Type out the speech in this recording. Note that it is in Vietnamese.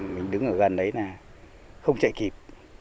mình đứng ở gần đấy là không chạy kịp